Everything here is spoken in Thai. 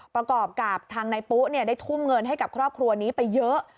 ประกอบกับทางนายปุ๊ได้ทุ่มเงินให้กับครอบครัวนี้ไปเยอะ